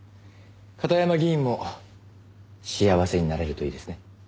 片山議員も幸せになれるといいですね。